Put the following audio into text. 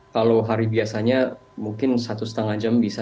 kalau hari biasanya mungkin satu setengah jam bisa